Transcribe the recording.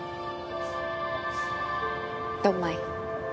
ドンマイ。